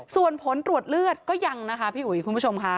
ส่วนผลตรวจเลือดก็ยังนะคะพี่อุ๋ยคุณผู้ชมค่ะ